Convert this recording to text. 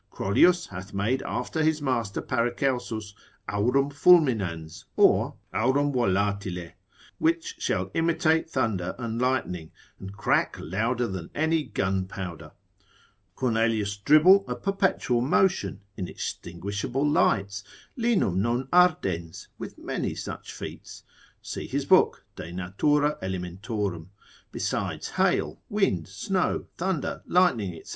Crollius hath made after his master Paracelsus, aurum fulminans, or aurum volatile, which shall imitate thunder and lightning, and crack louder than any gunpowder; Cornelius Drible a perpetual motion, inextinguishable lights, linum non ardens, with many such feats; see his book de natura elementorum, besides hail, wind, snow, thunder, lightning, &c.